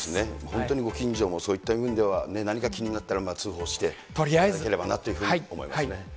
本当にご近所もそういった意味では、何か気になったら、通報していただければなと思います。